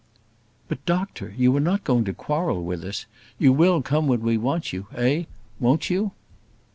"But, doctor, you are not going to quarrel with us? You will come when we want you; eh! won't you?"